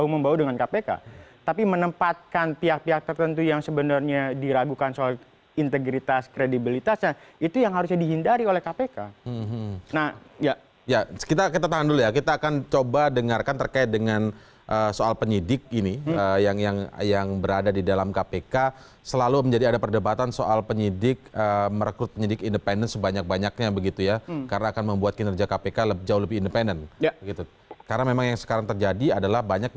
memungkinkan untuk bocornya